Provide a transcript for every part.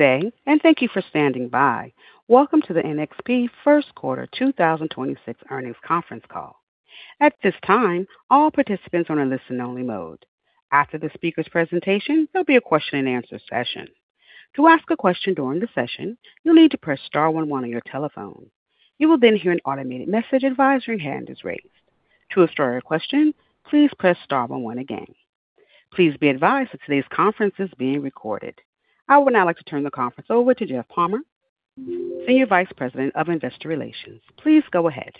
Day, thank you for standing by. Welcome to the NXP first quarter 2026 earnings conference call. I would now like to turn the conference over to Jeff Palmer, Senior Vice President of Investor Relations. Please go ahead.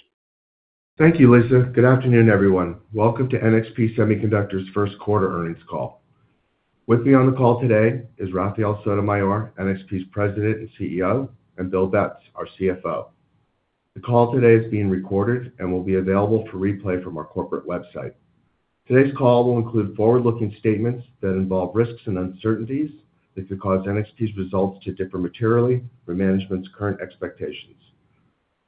Thank you, Lisa. Good afternoon, everyone. Welcome to NXP Semiconductors first quarter earnings call. With me on the call today is Rafael Sotomayor, NXP's President and CEO, and Bill Betz, our CFO. The call today is being recorded and will be available for replay from our corporate website. Today's call will include forward-looking statements that involve risks and uncertainties that could cause NXP's results to differ materially from management's current expectations.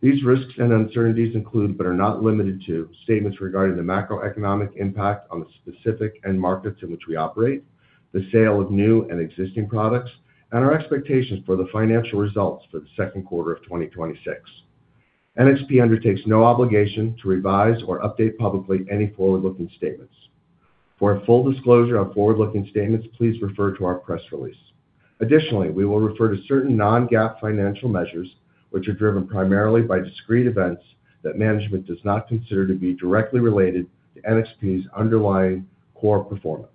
These risks and uncertainties include but are not limited to statements regarding the macroeconomic impact on the specific end markets in which we operate, the sale of new and existing products, and our expectations for the financial results for the Q2 of 2026. NXP undertakes no obligation to revise or update publicly any forward-looking statements. For a full disclosure on forward-looking statements, please refer to our press release. Additionally, we will refer to certain non-GAAP financial measures, which are driven primarily by discrete events that management does not consider to be directly related to NXP's underlying core performance.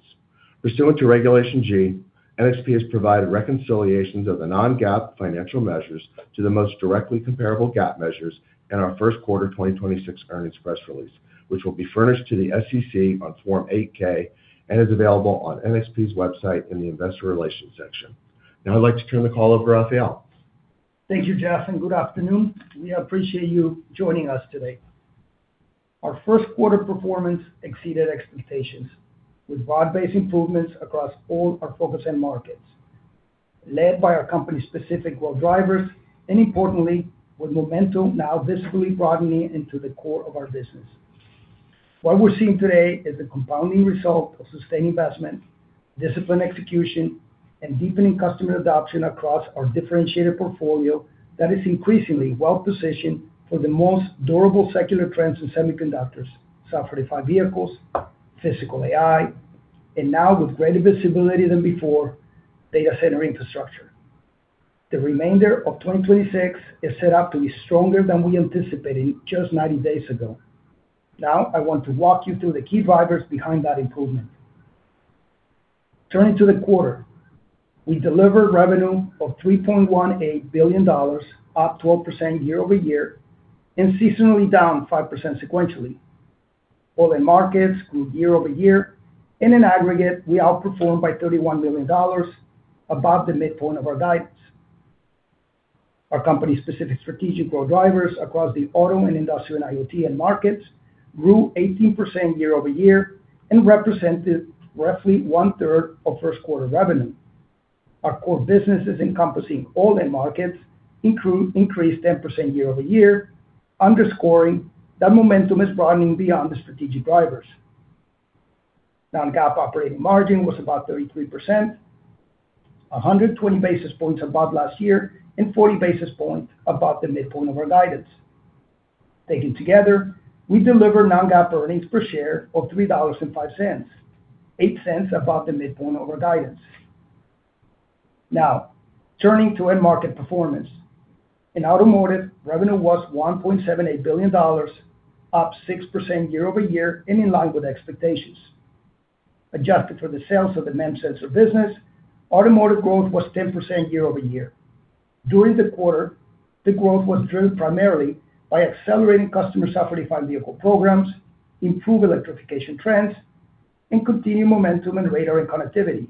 Pursuant to Regulation G, NXP has provided reconciliations of the non-GAAP financial measures to the most directly comparable GAAP measures in our first quarter 2026 earnings press release, which will be furnished to the SEC on Form 8-K and is available on NXP's website in the investor relations section. Now I'd like to turn the call over Rafael. Thank you, Jeff, and good afternoon. We appreciate you joining us today. Our first quarter performance exceeded expectations with broad-based improvements across all our focus end markets, led by our company's specific growth drivers and importantly, with momentum now visibly broadening into the core of our business. What we're seeing today is the compounding result of sustained investment, disciplined execution, and deepening customer adoption across our differentiated portfolio that is increasingly well-positioned for the most durable secular trends in semiconductors, software-defined vehicles, Physical AI, and now with greater visibility than before, data center infrastructure. The remainder of 2026 is set up to be stronger than we anticipated just 90 days ago. I want to walk you through the key drivers behind that improvement. Turning to the quarter, we delivered revenue of $3.18 billion, up 12% year-over-year and seasonally down 5% sequentially. All-in markets grew year-over-year. In an aggregate, we outperformed by $31 million above the midpoint of our guidance. Our company's specific strategic growth drivers across the auto and industrial IoT end markets grew 18% year-over-year and represented roughly one-third of Q1 revenue. Our core businesses encompassing all end markets increased 10% year-over-year, underscoring that momentum is broadening beyond the strategic drivers. Non-GAAP operating margin was about 33%, 120 basis points above last year and 40 basis points above the midpoint of our guidance. Taken together, we delivered non-GAAP earnings per share of $3.05, 0.08 above the midpoint of our guidance. Turning to end market performance. In automotive, revenue was $1.78 billion, up 6% year-over-year and in line with expectations. Adjusted for the sales of the MEMS sensor business, automotive growth was 10% year-over-year. During the quarter, the growth was driven primarily by accelerating customer software-defined vehicle programs, improved electrification trends, and continued momentum in radar and connectivity.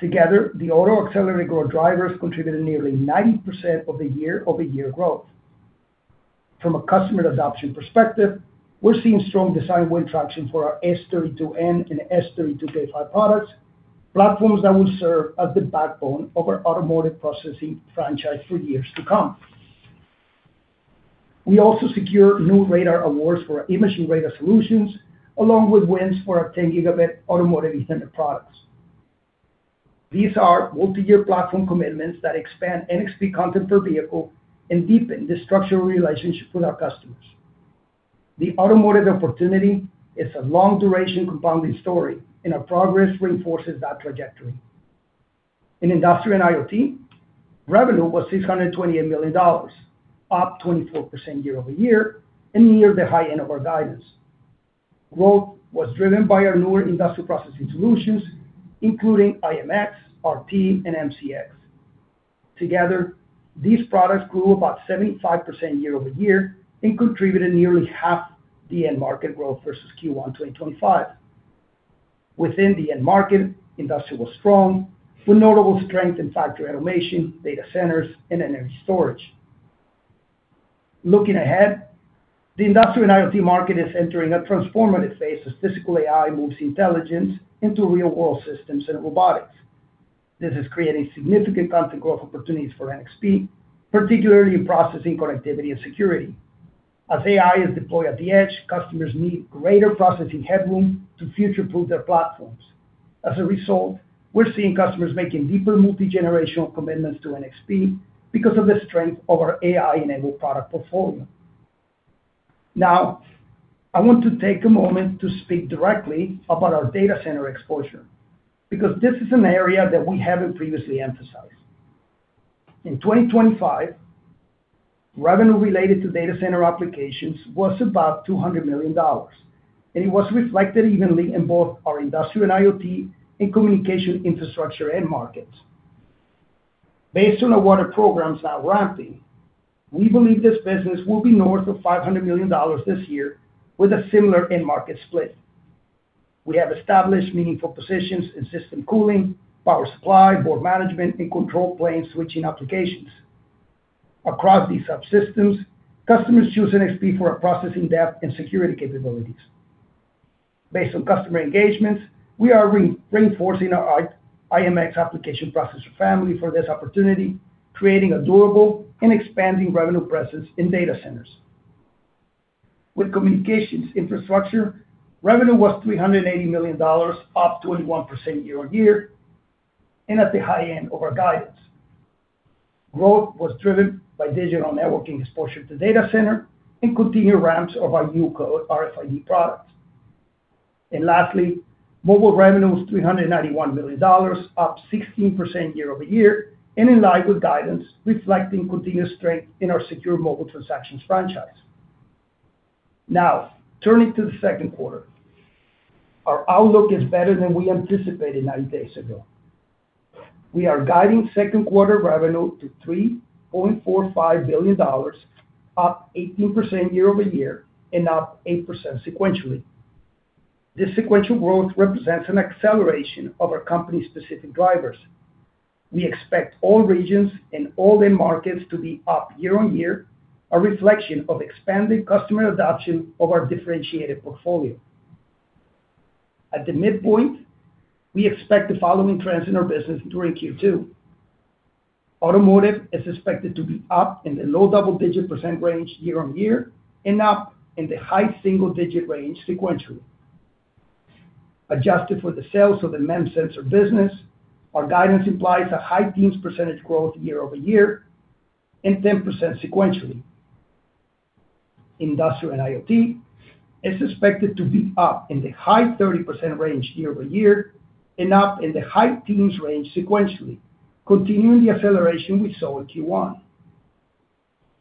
Together, the auto accelerated growth drivers contributed nearly 90% of the year-over-year growth. From a customer adoption perspective, we're seeing strong design win traction for our S32N and S32K5 products, platforms that will serve as the backbone of our automotive processing franchise for years to come. We also secured new radar awards for our imaging radar solutions, along with wins for our 10 gigabit automotive Ethernet products. These are multi-year platform commitments that expand NXP content per vehicle and deepen the structural relationship with our customers. The automotive opportunity is a long-duration compounding story. Our progress reinforces that trajectory. In Industrial IoT, revenue was $628 million, up 24% year-over-year and near the high end of our guidance. Growth was driven by our newer industrial processing solutions, including i.MX, i.MX RT, and MCX. Together, these products grew about 75% year-over-year and contributed nearly half the end market growth versus Q1 2025. Within the end market, industrial was strong, with notable strength in factory automation, data centers, and energy storage. Looking ahead, the Industrial IoT market is entering a transformative phase as physical AI moves intelligence into real-world systems and robotics. This is creating significant content growth opportunities for NXP, particularly in processing, connectivity, and security. As AI is deployed at the edge, customers need greater processing headroom to future-proof their platforms. As a result, we're seeing customers making deeper multi-generational commitments to NXP because of the strength of our AI-enabled product portfolio. I want to take a moment to speak directly about our data center exposure because this is an area that we haven't previously emphasized. In 2025, revenue related to data center applications was about $200 million, and it was reflected evenly in both our industrial IoT and communication infrastructure end markets. Based on the wafer programs now ramping, we believe this business will be north of $500 million this year with a similar end market split. We have established meaningful positions in system cooling, power supply, board management, and control plane switching applications. Across these subsystems, customers choose NXP for our processing depth and security capabilities. Based on customer engagements, we are re-reinforcing our i.MX application processor family for this opportunity, creating a durable and expanding revenue presence in data centers. With communications infrastructure, revenue was $380 million, up 21% year-over-year and at the high end of our guidance. Growth was driven by digital networking exposure to data center and continued ramps of our UCODE RFID products. Lastly, mobile revenue was $391 million, up 16% year-over-year and in line with guidance, reflecting continued strength in our secure mobile transactions franchise. Now, turning to the Q2. Our outlook is better than we anticipated 90 days ago. We are guiding Q2 revenue to $3.45 billion, up 18% year-over-year and up 8% sequentially. This sequential growth represents an acceleration of our company's specific drivers. We expect all regions and all end markets to be up year-on-year, a reflection of expanded customer adoption of our differentiated portfolio. At the midpoint, we expect the following trends in our business during Q2. Automotive is expected to be up in the low double-digit percent range year-on-year and up in the high single-digit range sequentially. Adjusted for the sales of the MEMS sensor business, our guidance implies a high 10% growth year-over-year and 10% sequentially. Industrial IoT is expected to be up in the high 30% range year-over-year and up in the high teens range sequentially, continuing the acceleration we saw in Q1.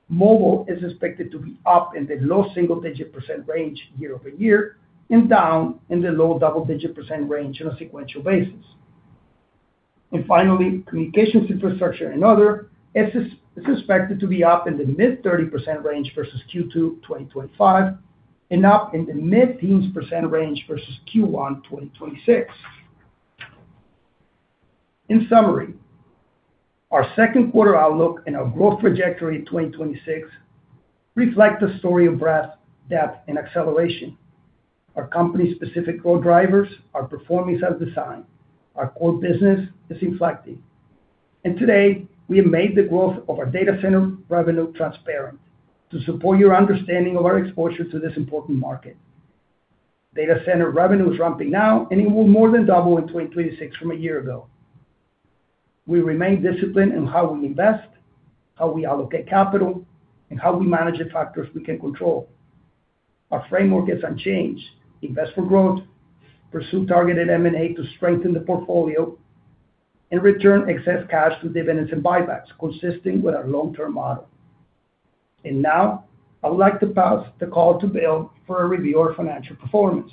Mobile is expected to be up in the low single-digit % range year-over-year and down in the low double-digit percent range on a sequential basis. Finally, communications infrastructure and other is expected to be up in the mid 30% range versus Q2 2025 and up in the mid-teens percentrange versus Q1 2026. In summary, our second quarter outlook and our growth trajectory in 2026 reflect the story of breadth, depth, and acceleration. Our company's specific growth drivers are performing as designed. Our core business is inflecting. Today, we have made the growth of our data center revenue transparent to support your understanding of our exposure to this important market. Data center revenue is ramping now, and it will more than double in 2026 from a year ago. We remain disciplined in how we invest, how we allocate capital, and how we manage the factors we can control. Our framework is unchanged. Invest for growth, pursue targeted M&A to strengthen the portfolio, return excess cash to dividends and buybacks, consistent with our long-term model. Now, I would like to pass the call to Bill for a review of financial performance.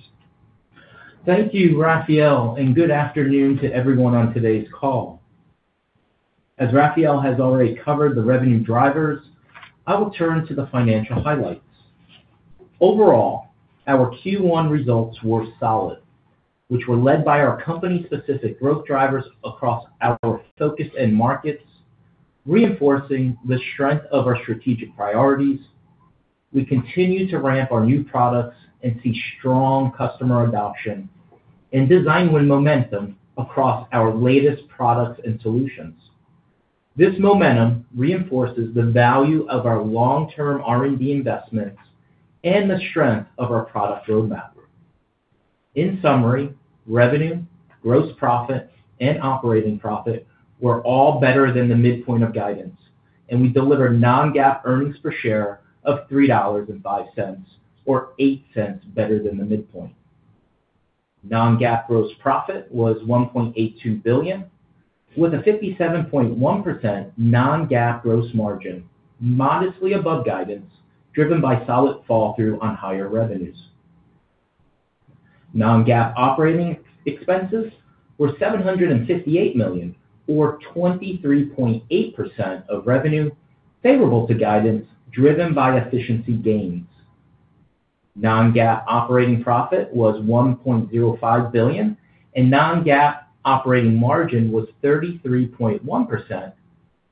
Thank you, Rafael, and good afternoon to everyone on today's call. As Rafael has already covered the revenue drivers, I will turn to the financial highlights. Overall, our Q1 results were solid, which were led by our company-specific growth drivers across our focus and markets, reinforcing the strength of our strategic priorities. We continue to ramp our new products and see strong customer adoption and design win momentum across our latest products and solutions. This momentum reinforces the value of our long-term R&D investments and the strength of our product roadmap. In summary, revenue, gross profit, and operating profit were all better than the midpoint of guidance, and we delivered non-GAAP earnings per share of $3.05, or $0.08 better than the midpoint. Non-GAAP gross profit was $1.82 billion, with a 57.1% non-GAAP gross margin modestly above guidance, driven by solid fall through on higher revenues. Non-GAAP operating expenses were $758 million or 23.8% of revenue favorable to guidance, driven by efficiency gains. Non-GAAP operating profit was $1.05 billion, and non-GAAP operating margin was 33.1%,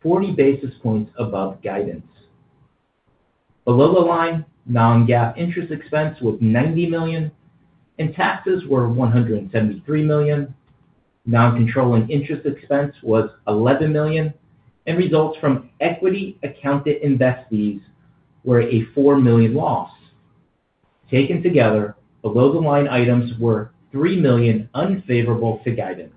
40 basis points above guidance. Below the line, non-GAAP interest expense was 90 million, and taxes were 173 million. Non-controlling interest expense was 11 million, and results from equity accounted investees were a 4 million loss. Taken together, below-the-line items were 3 million unfavorable to guidance.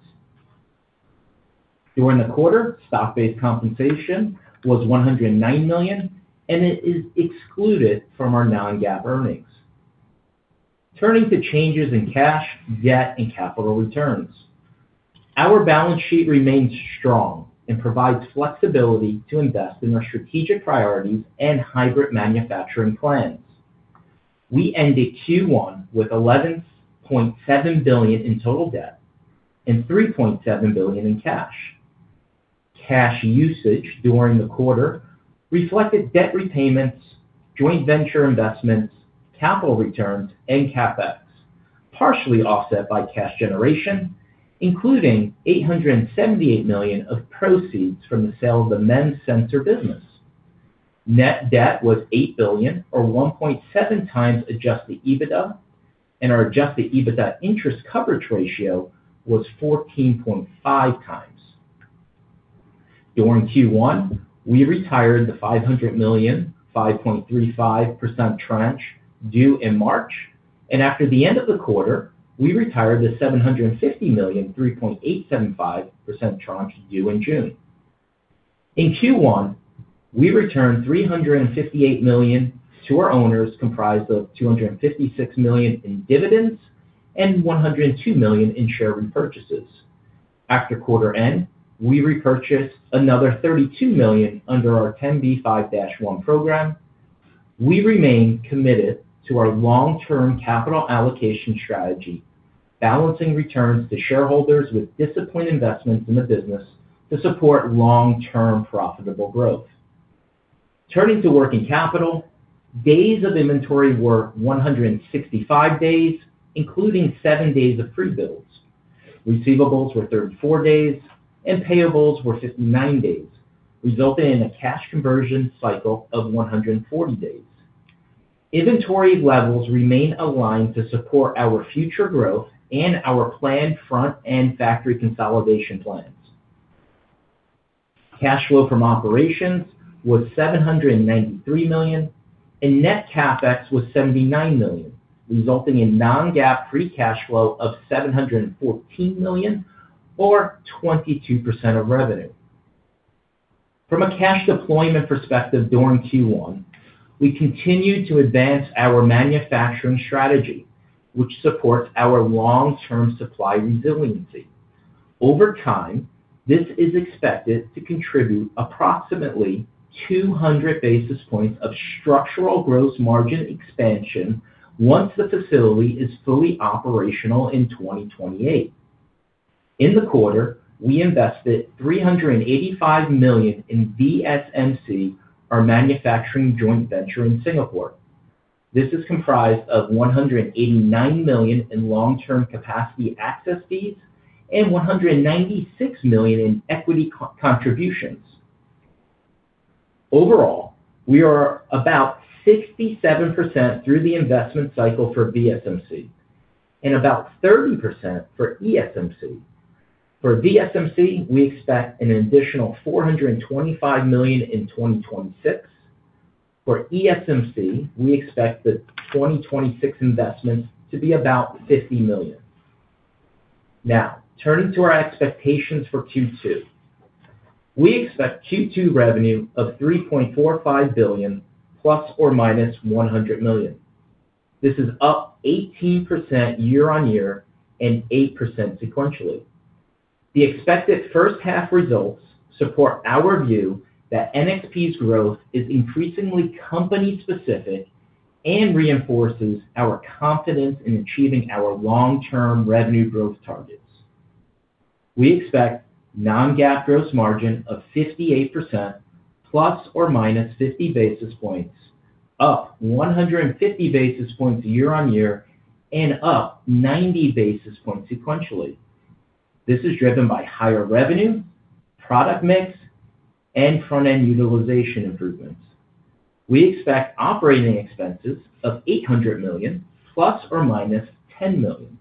During the quarter, stock-based compensation was 109 million, and it is excluded from our non-GAAP earnings. Turning to changes in cash, debt, and capital returns. Our balance sheet remains strong and provides flexibility to invest in our strategic priorities and hybrid manufacturing plans. We ended Q1 with 11.7 billion in total debt and 3.7 billion in cash. Cash usage during the quarter reflected debt repayments, joint venture investments, capital returns, and CapEx, partially offset by cash generation, including 878 million of proceeds from the sale of the MEMS sensor business. Net debt was 8 billion or 1.7 times adjusted EBITDA, and our adjusted EBITDA interest coverage ratio was 14.5 times. During Q1, we retired the 500 million, 5.35% tranche due in March, and after the end of the quarter, we retired the 750 million, 3.875% tranche due in June. In Q1, we returned 358 million to our owners, comprised of 256 million in dividends and 102 million in share repurchases. After quarter end, we repurchased another 32 million under our Rule 10b5-1 program. We remain committed to our long-term capital allocation strategy, balancing returns to shareholders with disciplined investments in the business to support long-term profitable growth. Turning to working capital, days of inventory were 165 days, including seven days of free builds. Receivables were 34 days and payables were 59 days, resulting in a cash conversion cycle of 140 days. Inventory levels remain aligned to support our future growth and our planned front-end factory consolidation plans. Cash flow from operations was 793 million, and net CapEx was 79 million, resulting in non-GAAP free cash flow of 714 million or 22% of revenue. From a cash deployment perspective during Q1, we continued to advance our manufacturing strategy, which supports our long-term supply resiliency. Over time, this is expected to contribute approximately 200 basis points of structural gross margin expansion once the facility is fully operational in 2028. In the quarter, we invested 385 million in VSMC, our manufacturing joint venture in Singapore. This is comprised of 189 million in long-term capacity access fees and 196 million in equity co-contributions. Overall, we are about 67% through the investment cycle for VSMC and about 30% for ESMC. For VSMC, we expect an additional 425 million in 2026. For ESMC, we expect the 2026 investments to be about 50 million. Now, turning to our expectations for Q2. We expect Q2 revenue of 3.45 billion ± 100 million. This is up 18% year-on-year and 8% sequentially. The expected first half results support our view that NXP's growth is increasingly company specific and reinforces our confidence in achieving our long-term revenue growth targets. We expect non-GAAP gross margin of 58% ± 50 basis points, up 150 basis points year-on-year and up 90 basis points sequentially. This is driven by higher revenue, product mix, and front-end utilization improvements. We expect operating expenses of 800 million ± 10 million.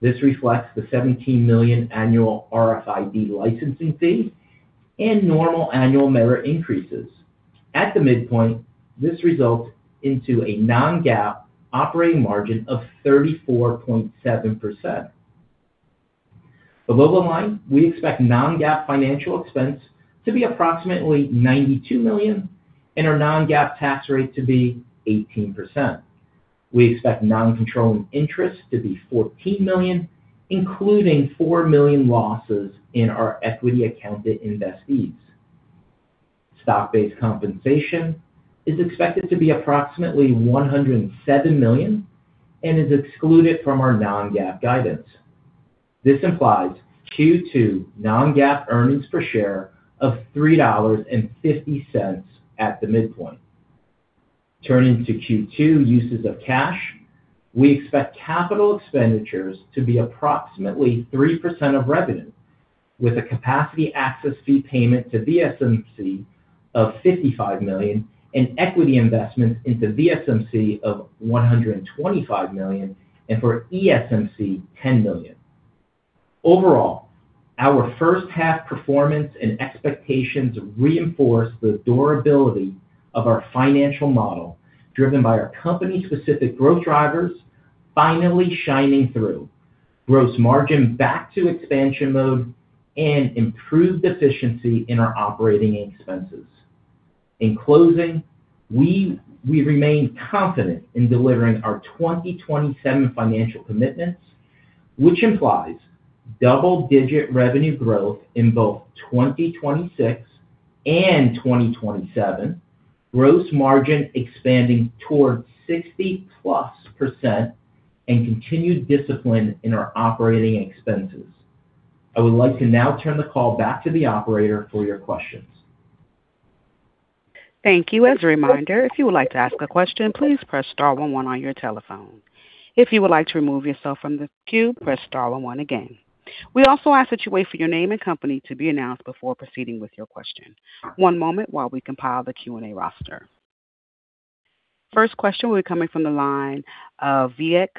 This reflects the $17 million annual RFID licensing fee and normal annual merit increases. At the midpoint, this results into a non-GAAP operating margin of 34.7%. Below the line, we expect non-GAAP financial expense to be approximately 92 million and our non-GAAP tax rate to be 18%. We expect non-controlling interest to be 14 million, including 4 million losses in our equity accounted investees. Stock-based compensation is expected to be approximately 107 million and is excluded from our non-GAAP guidance. This implies Q2 non-GAAP earnings per share of 3.50 at the midpoint. Turning to Q2 uses of cash, we expect CapEx to be approximately 3% of revenue. With a capacity access fee payment to VSMC of 55 million, and equity investments into VSMC of 125 million, and for ESMC, 10 million. Overall, our first half performance and expectations reinforce the durability of our financial model, driven by our company-specific growth drivers finally shining through, gross margin back to expansion mode and improved efficiency in our operating expenses. In closing, we remain confident in delivering our 2027 financial commitments, which implies double-digit revenue growth in both 2026 and 2027, gross margin expanding towards 60%+ and continued discipline in our operating expenses. I would like to now turn the call back to the operator for your questions. Thank you. As a reminder, if you would like to ask a question, please press star one one on your telephone. If you would like to remove yourself from the queue, press star one one again. We also ask that you wait for your name and company to be announced before proceeding with your question. One moment while we compile the Q&A roster. First question will be coming from the line of Vivek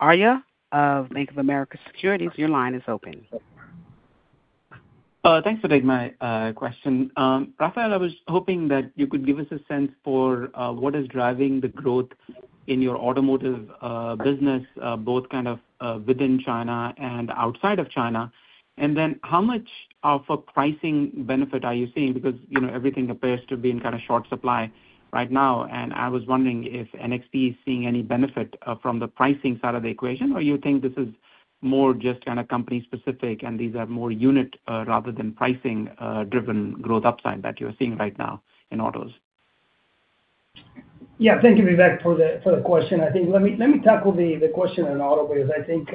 Arya of Bank of America Securities. Your line is open. Thanks for taking my question. Rafael, I was hoping that you could give us a sense for what is driving the growth in your automotive business, both kind of within China and outside of China. How much of a pricing benefit are you seeing? Because, you know, everything appears to be in kind of short supply right now, and I was wondering if NXP is seeing any benefit from the pricing side of the equation, or you think this is more just kind of company specific and these are more unit rather than pricing driven growth upside that you're seeing right now in autos? Yeah. Thank you, Vivek, for the question. I think let me tackle the question on auto because I think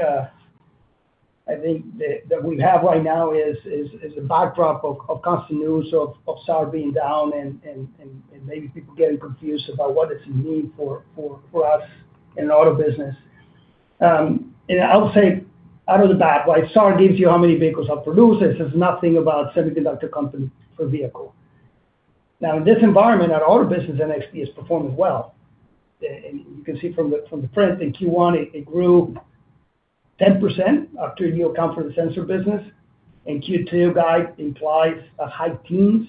that we have right now is a backdrop of constant news of SAR being down and maybe people getting confused about what does it mean for us in auto business. I'll say out of the bat, like, SAR gives you how many vehicles are produced. It says nothing about semiconductor company per vehicle. Now, in this environment, our auto business at NXP is performing well. You can see from the print, in Q1 it grew 10% after new account for the sensor business, Q2 guide implies a high teens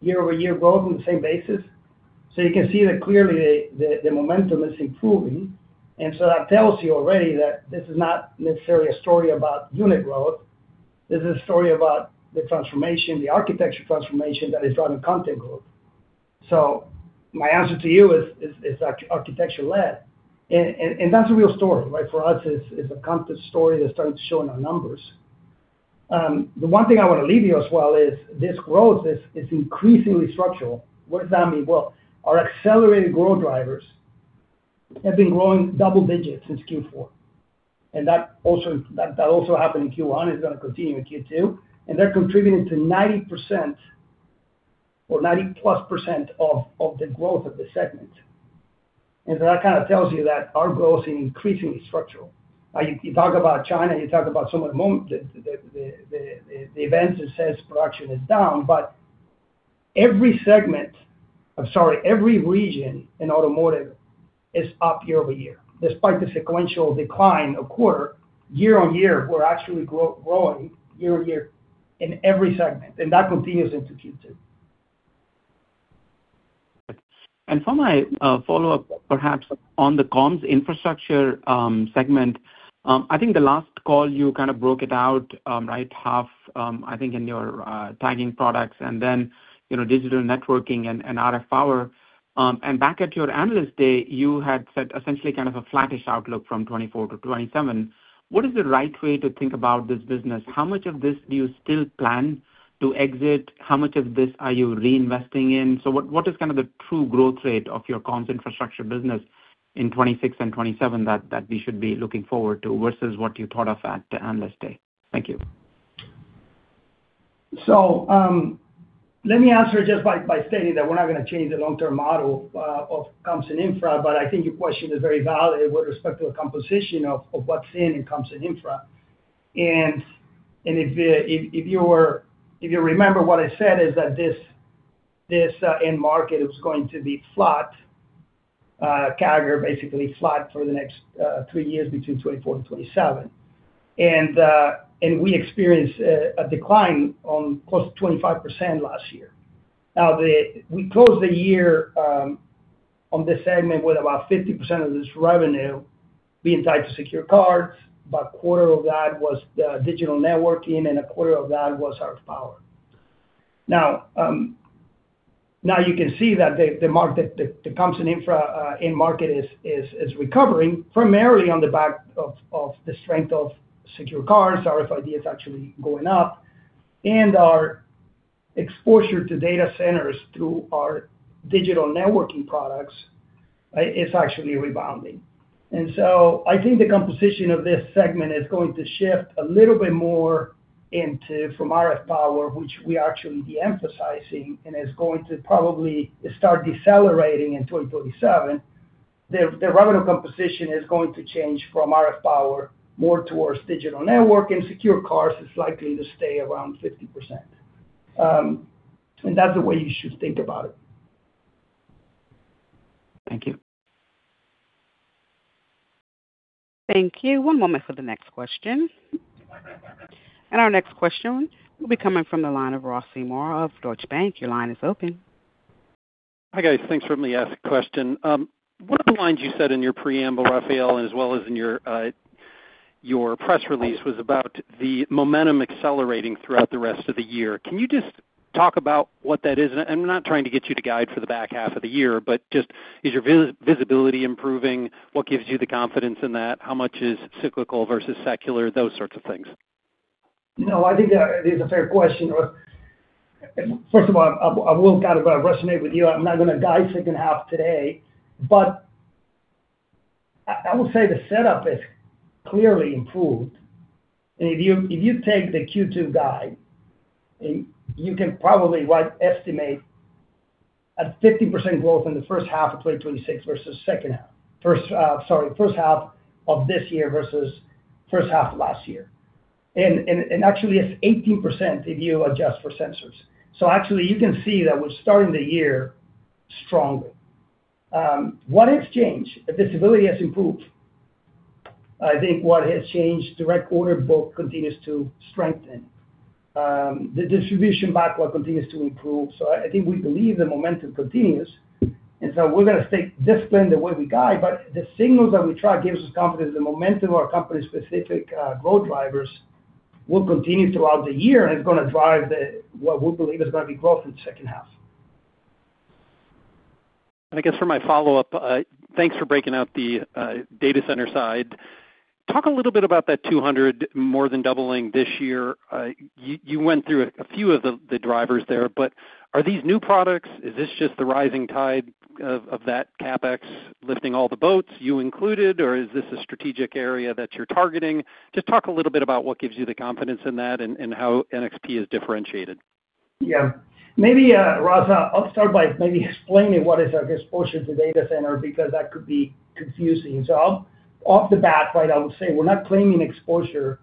year-over-year growth on the same basis. You can see that clearly the momentum is improving. That tells you already that this is not necessarily a story about unit growth. This is a story about the transformation, the architecture transformation that is driving content growth. My answer to you is architecture-led. That's a real story, right? For us, it's a constant story that's starting to show in our numbers. The one thing I want to leave you as well is this growth is increasingly structural. What does that mean? Well, our accelerated growth drivers have been growing double digits since Q4, and that also happened in Q1, it's going to continue in Q2, and they're contributing to 90% or 90-plus % of the growth of the segment. That kind of tells you that our growth is increasingly structural. You talk about China, you talk about some of the events that says production is down, but every region in automotive is up year-over-year. Despite the sequential decline of quarter, year-on-year, we're actually growing year-over-year in every segment, and that continues into Q2. For my follow-up perhaps on the comms infrastructure segment, I think the last call you kind of broke it out, right, half, I think in your tagging products and then, you know, digital networking and RF power. Back at your Analyst Day, you had set essentially kind of a flattish outlook from 2024 to 2027. What is the right way to think about this business? How much of this do you still plan to exit? How much of this are you reinvesting in? What, what is kind of the true growth rate of your comms infrastructure business in 2026 and 2027 that we should be looking forward to versus what you thought of at the Analyst Day? Thank you. Let me answer just by stating that we're not going to change the long-term model of comms and infra, but I think your question is very valid with respect to the composition of what's in comms and infra. If you remember what I said is that this end market is going to be flat CAGR basically flat for the next three years between 2024 and 2027. We experienced a decline on close to 25% last year. We closed the year on this segment with about 50% of this revenue being tied to Secure Tagging, about a quarter of that was digital networking, and a quarter of that was RF power. You can see that the comms and infra end market is recovering primarily on the back of the strength of secure tagging. RFID is actually going up, our exposure to data centers through our digital networking products is actually rebounding. I think the composition of this segment is going to shift a little bit more into from RF power, which we are actually de-emphasizing and is going to probably start decelerating in 2037. The revenue composition is going to change from RF power more towards digital network, secure tagging is likely to stay around 50%. That's the way you should think about it. Thank you. Thank you. One moment for the next question. Our next question will be coming from the line of Ross Seymore of Deutsche Bank. Your line is open. Hi, guys. Thanks for letting me ask a question. One of the lines you said in your preamble, Rafael, as well as in your press release, was about the momentum accelerating throughout the rest of the year. Can you just talk about what that is? I'm not trying to get you to guide for the back half of the year, but just is your visibility improving? What gives you the confidence in that? How much is cyclical versus secular, those sorts of things. No, I think that is a fair question, Ross. First of all, I will kind of resonate with you. I'm not going to guide second half today, but I would say the setup has clearly improved. If you take the Q2 guide, you can probably like estimate a 50% growth in the first half of 2026 versus H2. First, sorry, H1 of this year versus first half of last year. Actually it's 18% if you adjust for sensors. Actually you can see that we're starting the year strongly. What has changed? The visibility has improved. I think what has changed, direct order book continues to strengthen. The distribution backlog continues to improve. I think we believe the momentum continues, and so we're going to stay disciplined the way we guide. The signals that we track gives us confidence the momentum of our company-specific growth drivers will continue throughout the year and is going to drive the, what we believe is going to be growth in the second half. I guess for my follow-up, thanks for breaking out the data center side. Talk a little bit about that $200 more than doubling this year. You went through a few of the drivers there, but are these new products? Is this just the rising tide of that CapEx lifting all the boats, you included, or is this a strategic area that you're targeting? Just talk a little bit about what gives you the confidence in that and how NXP is differentiated. Yeah. Maybe, Ross, I'll start by maybe explaining what is our exposure to data center, because that could be confusing. Off the bat, right, I would say we're not claiming exposure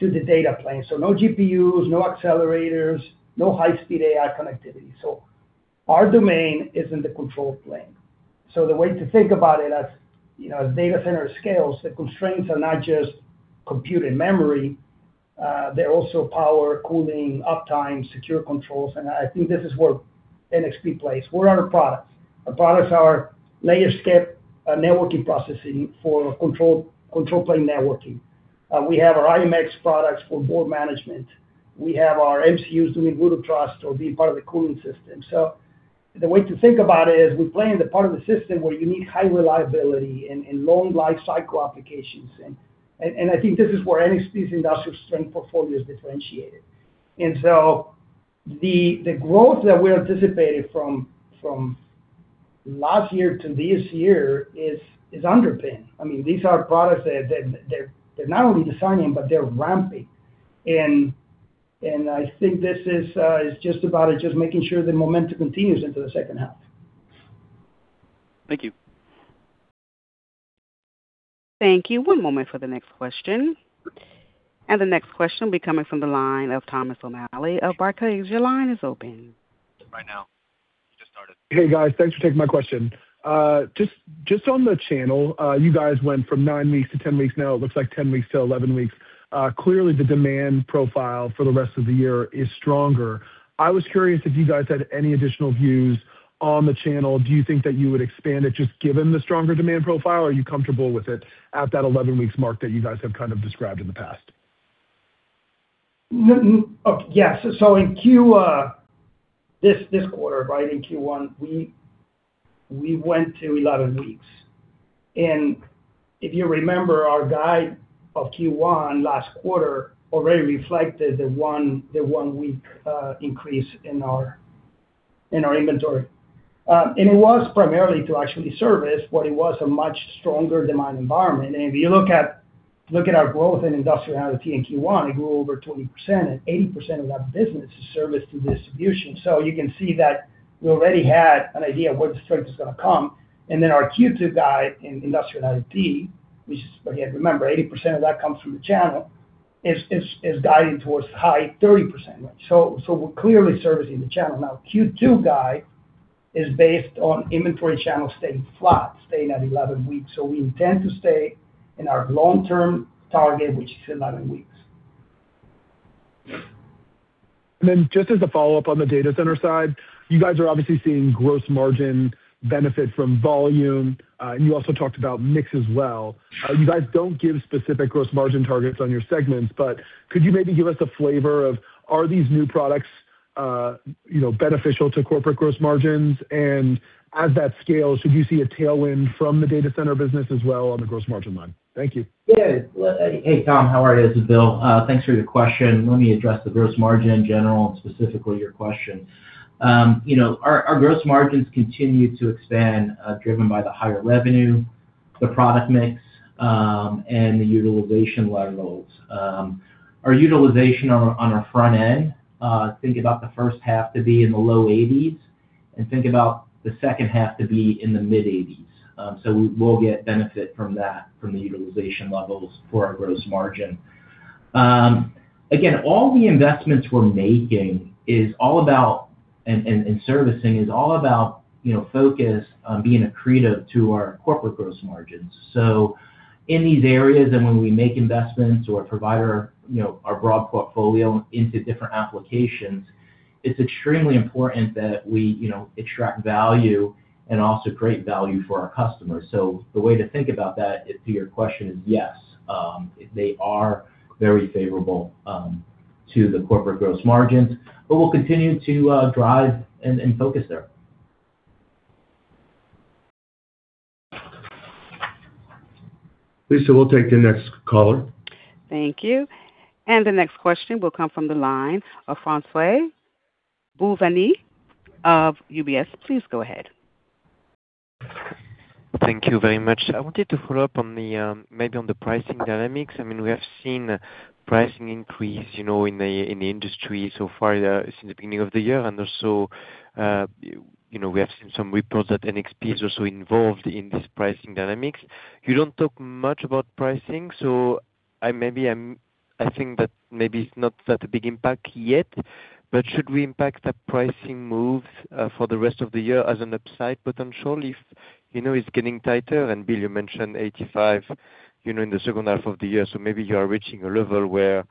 to the data plane, so no GPUs, no accelerators, no high-speed AI connectivity. Our domain is in the control plane. The way to think about it as, you know, as data center scales, the constraints are not just compute and memory, they're also power, cooling, uptime, secure controls, and I think this is where NXP plays. What are our products? Our products are layer step, networking processing for control plane networking. We have our i.MX products for board management. We have our MCUs doing root of trust or being part of the cooling system. The way to think about it is we play in the part of the system where you need high reliability and long lifecycle applications. I think this is where NXP's industrial strength portfolio is differentiated. The growth that we're anticipating from last year to this year is underpinned. I mean, these are products that they're not only designing, but they're ramping. I think this is just about it, just making sure the momentum continues into the second half. Thank you. Thank you. One moment for the next question. The next question will be coming from the line of Thomas O'Malley of Barclays. Your line is open. Right now. Just started. Hey, guys. Thanks for taking my question. Just on the channel, you guys went from nine weeks to 10 weeks, now it looks like 10 weeks to 11 weeks. Clearly the demand profile for the rest of the year is stronger. I was curious if you guys had any additional views on the channel. Do you think that you would expand it just given the stronger demand profile, or are you comfortable with it at that 11 weeks mark that you guys have kind of described in the past? Yes. In Q, this quarter, right, in Q1, we went to a lot of weeks. If you remember our guide of Q1 last quarter already reflected the one-week increase in our inventory. It was primarily to actually service what it was a much stronger demand environment. If you look at our growth in industrial IoT in Q1, it grew over 20%, and 80% of that business is serviced through distribution. You can see that we already had an idea of where the strength was going to come. Then our Q2 guide in industrial IoT, which is, again, remember, 80% of that comes from the channel, is guiding towards high 30%. So we're clearly servicing the channel. Q2 guide is based on inventory channel staying flat, staying at 11 weeks. We intend to stay in our long-term target, which is 11 weeks. Just as a follow-up on the data center side, you guys are obviously seeing gross margin benefit from volume, and you also talked about mix as well. You guys don't give specific gross margin targets on your segments, but could you maybe give us a flavor of are these new products, you know, beneficial to corporate gross margins? As that scales, should you see a tailwind from the data center business as well on the gross margin line? Thank you. Yeah. Well, hey, Tom, how are you? This is Bill. Thanks for your question. Let me address the gross margin in general and specifically your question. You know, our gross margins continue to expand, driven by the higher revenue, the product mix, and the utilization levels. Our utilization on our front end, think about the first half to be in the low 80s, and think about the H2 to be in the mid-80s. We'll get benefit from that, from the utilization levels for our gross margin. Again, all the investments we're making and servicing is all about, you know, focus on being accretive to our corporate gross margins. In these areas, and when we make investments or provide our, you know, our broad portfolio into different applications, it's extremely important that we, you know, attract value and also create value for our customers. The way to think about that, if to your question, is yes, they are very favorable to the corporate gross margins. We'll continue to drive and focus there. Lisa, we'll take the next caller. Thank you. The next question will come from the line ofFrançois-Xavier Bouvignies of UBS. Please go ahead. Thank you very much. I wanted to follow up on the maybe on the pricing dynamics. I mean, we have seen pricing increase, you know, in the industry so far since the beginning of the year. Also, you know, we have seen some reports that NXP is also involved in this pricing dynamics. You don't talk much about pricing. I think that maybe it's not that a big impact yet. Should we impact the pricing moves for the rest of the year as an upside potential if, you know, it's getting tighter? Bill, you mentioned 85, you know, in the second half of the year. Maybe you are reaching a level where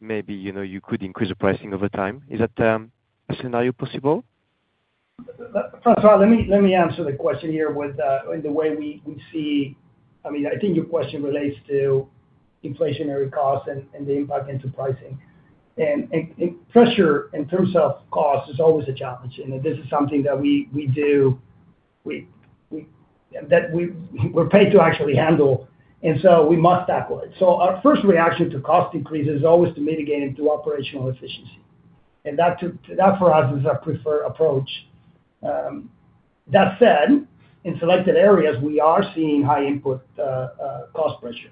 maybe, you know, you could increase the pricing over time. Is that a scenario possible? Francois, let me answer the question here with the way we see. I mean, I think your question relates to inflationary costs and the impact into pricing. Pressure in terms of cost is always a challenge, and this is something that we do, we're paid to actually handle, and so we must tackle it. Our first reaction to cost increase is always to mitigate it through operational efficiency. That for us is our preferred approach. That said, in selected areas, we are seeing high input cost pressure.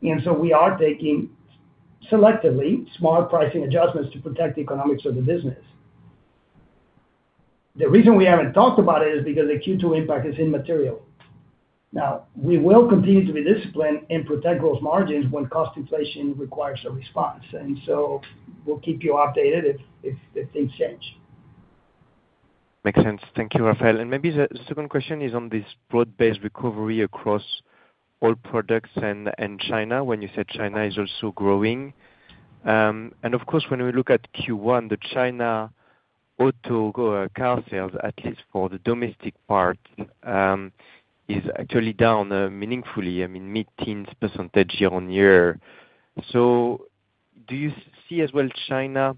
We are taking selectively small pricing adjustments to protect the economics of the business. The reason we haven't talked about it is because the Q2 impact is immaterial. Now, we will continue to be disciplined and protect those margins when cost inflation requires a response. We'll keep you updated if things change. Makes sense. Thank you, Rafael. Maybe the second question is on this broad-based recovery across all products and China, when you said China is also growing. Of course, when we look at Q1, the China auto car sales, at least for the domestic part, is actually down meaningfully, I mean, mid-teens percent year-over-year. Do you see as well China,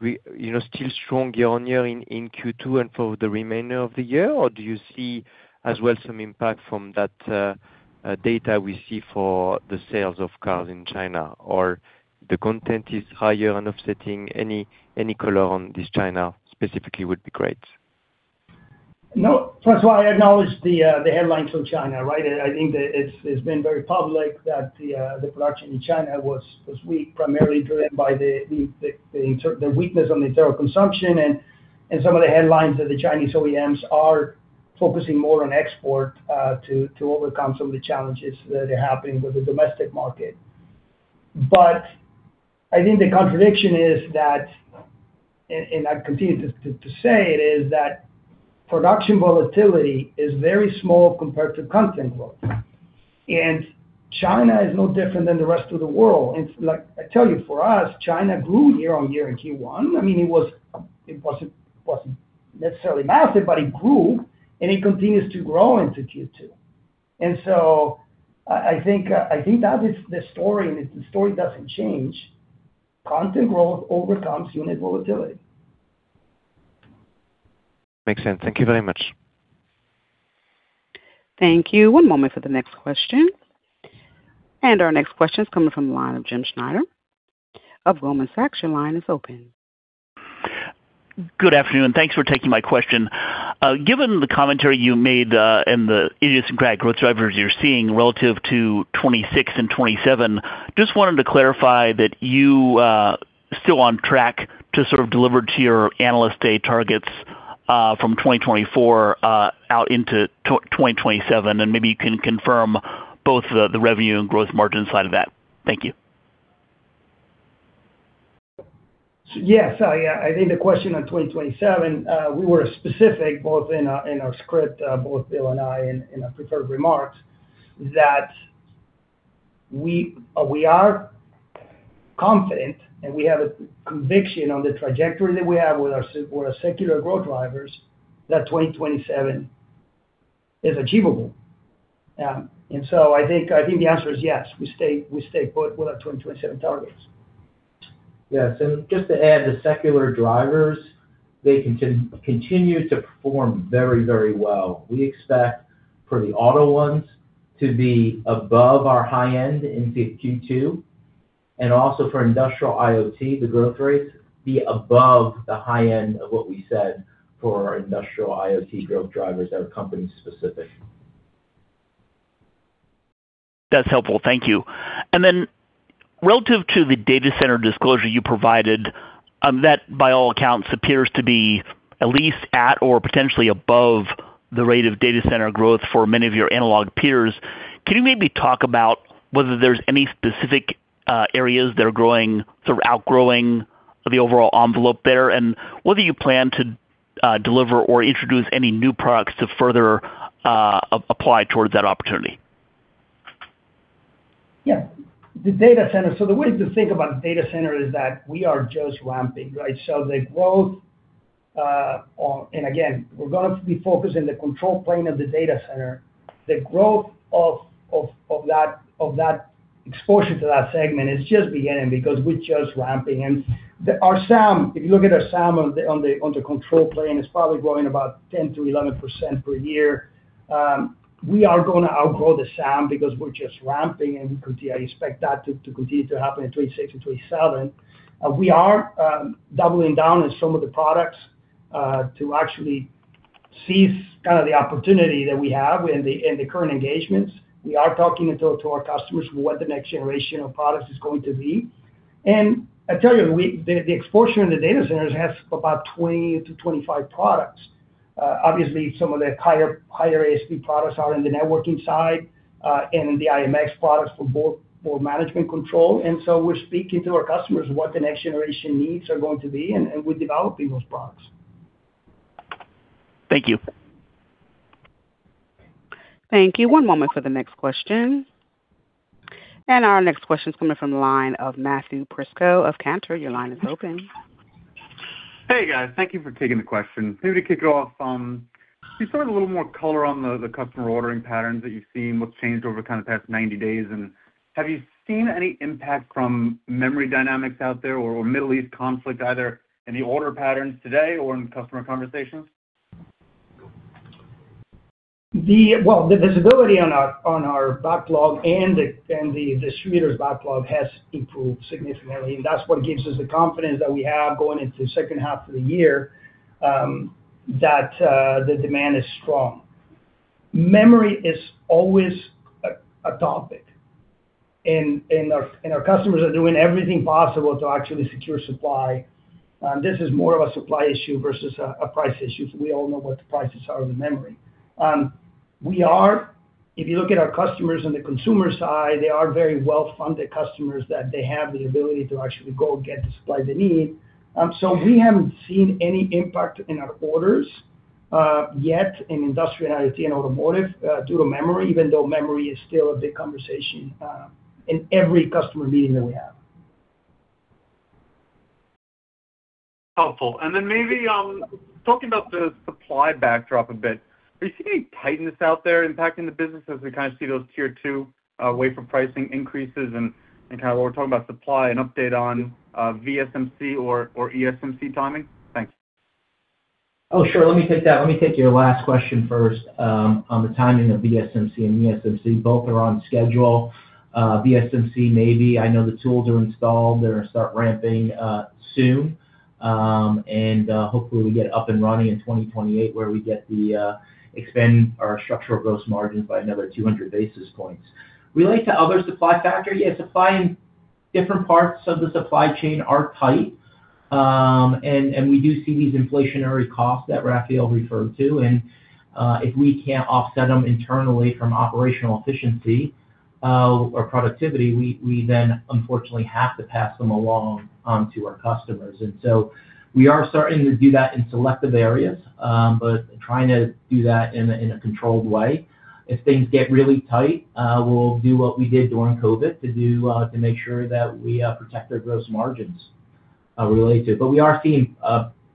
you know, still strong year-over-year in Q2 and for the remainder of the year? Do you see as well some impact from that data we see for the sales of cars in China? The content is higher and offsetting. Any color on this China specifically would be great. No. Francois, I acknowledge the headlines from China, right? I think that it's been very public that the production in China was weak, primarily driven by the weakness on the internal consumption and some of the headlines that the Chinese OEMs are focusing more on export to overcome some of the challenges that are happening with the domestic market. I think the contradiction is that, and I continue to say it, is that production volatility is very small compared to content growth. China is no different than the rest of the world. It's like, I tell you, for us, China grew year-on-year in Q1. I mean, it wasn't necessarily massive, but it grew, and it continues to grow into Q2. I think that is the story, and if the story doesn't change, content growth overcomes unit volatility. Makes sense. Thank you very much. Thank you. One moment for the next question. Our next question is coming from the line of James Schneider of Goldman Sachs. Your line is open. Good afternoon, and thanks for taking my question. Given the commentary you made, and the idiosyncratic growth drivers you're seeing relative to 2026 and 2027, just wanted to clarify that you still on track to sort of deliver to your analyst day targets from 2024 out into 2027, and maybe you can confirm both the revenue and gross margin side of that. Thank you. Yes. I think the question on 2027, we were specific both in our, in our script, both Bill and I in our prepared remarks, that we are confident, and we have a conviction on the trajectory that we have with our secular growth drivers, that 2027 is achievable. I think, I think the answer is yes. We stay put with our 2027 targets. Yes. Just to add, the secular drivers, they continue to perform very, very well. We expect for the auto ones to be above our high end into Q2. Also for industrial IoT, the growth rates be above the high end of what we said for our industrial IoT growth drivers that are company-specific. That's helpful. Thank you. Relative to the data center disclosure you provided, that by all accounts appears to be at least at or potentially above the rate of data center growth for many of your analog peers. Can you maybe talk about whether there's any specific areas that are growing, sort of outgrowing the overall envelope there? Whether you plan to deliver or introduce any new products to further apply towards that opportunity? Yeah. The data center. The way to think about data center is that we are just ramping, right? Again, we're going to be focused in the control plane of the data center. The growth of that exposure to that segment is just beginning because we're just ramping. Our SAM, if you look at our SAM on the control plane, is probably growing about 10%-11% per year. We are going to outgrow the SAM because we're just ramping, and you could see, I expect that to continue to happen in 26 and 27. We are doubling down on some of the products to actually seize kind of the opportunity that we have in the current engagements. We are talking to our customers what the next generation of products is going to be. I tell you, the exposure in the data centers has about 20-25 products. Obviously some of the higher ASP products are in the networking side, and the i.MX products for board management control. We're speaking to our customers what the next generation needs are going to be, and we're developing those products. Thank you. Thank you. One moment for the next question. Our next question is coming from the line of Matthew Prisco of Cantor Fitzgerald. Your line is open. Hey, guys. Thank you for taking the question. Maybe to kick off, can you provide a little more color on the customer ordering patterns that you've seen, what's changed over kind of the past 90 days? Have you seen any impact from memory dynamics out there or Middle East conflict, either in the order patterns today or in customer conversations? Well, the visibility on our backlog and the distributor's backlog has improved significantly, and that's what gives us the confidence that we have going into the second half of the year, that the demand is strong. Memory is always a topic, and our customers are doing everything possible to actually secure supply. This is more of a supply issue versus a price issue, because we all know what the prices are of the memory. If you look at our customers on the consumer side, they are very well-funded customers, that they have the ability to actually go get the supply they need. We haven't seen any impact in our orders, yet in industrial, IoT, and automotive, due to memory, even though memory is still a big conversation in every customer meeting that we have. Helpful. Then maybe, talking about the supply backdrop a bit, are you seeing any tightness out there impacting the business as we kind of see those tier two wafer pricing increases? Kind of while we're talking about supply, an update on VSMC or ESMC timing? Thanks. Oh, sure. Let me take that. Let me take your last question first on the timing of VSMC and ESMC. Both are on schedule. VSMC maybe. I know the tools are installed. They're going to start ramping soon. Hopefully we get up and running in 2028, where we get the expanding our structural gross margins by another 200 basis points. Related to other supply factors, yeah, supply in different parts of the supply chain are tight. We do see these inflationary costs that Rafael referred to. If we can't offset them internally from operational efficiency or productivity, we then unfortunately have to pass them along to our customers. We are starting to do that in selective areas, but trying to do that in a controlled way. If things get really tight, we'll do what we did during COVID to make sure that we protect our gross margins. We are seeing,